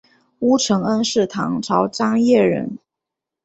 乌承恩是唐朝张掖人。